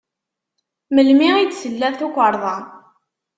Melmi d-tella tukerḍa?